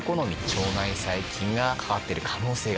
腸内細菌が関わってる可能性が。